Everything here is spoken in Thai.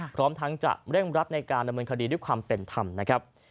พร้อมทั้งจะเร่งรัดในการดำเนินคดีด้วยความเป็นธรรมนะครับ